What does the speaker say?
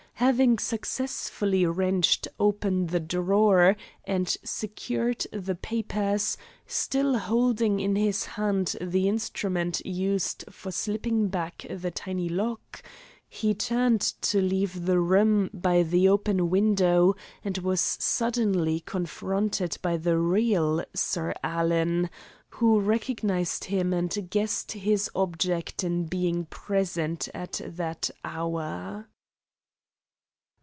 Having successfully wrenched open the drawer and secured the papers, still holding in his hand the instrument used for slipping back the tiny lock, he turned to leave the room by the open window, and was suddenly confronted by the real Sir Alan, who recognised him and guessed his object in being present at that hour.